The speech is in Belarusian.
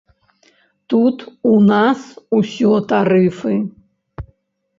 Тут у нас усё тарыфы.